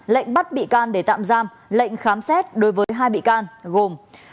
lệnh bắt bị can để tạm giam lệnh khám xét đối với hai bị can gồm